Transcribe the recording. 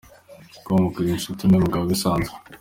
com ko ari inshuti n’uyu mugabo bisanzwe.